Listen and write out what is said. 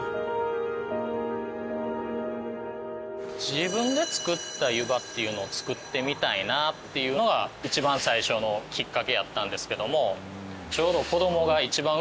自分で作った湯葉っていうのを作ってみたいなっていうのが一番最初のきっかけやったんですけども。